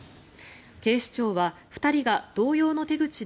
警視庁は２人が同様の手口で